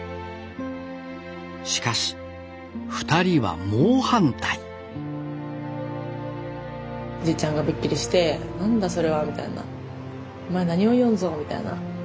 しかし２人は猛反対じいちゃんがびっくりして何だそれはみたいな。お前何を言いよんぞみたいな。